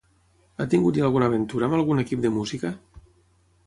Ha tingut ja alguna aventura amb algun equip de música?